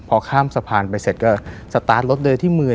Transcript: พอข้ามสะพานไปเสร็จก็สตาร์ทรถโดยที่มือ